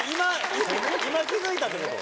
今気付いたってこと？